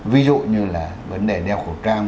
ví dụ như là vấn đề đeo khẩu trang